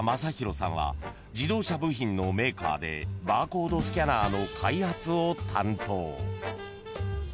［自動車部品のメーカーでバーコードスキャナーの開発を担当］